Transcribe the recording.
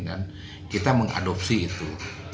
dan kita mengadopsi itu